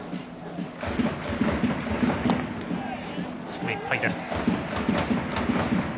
低めいっぱいです。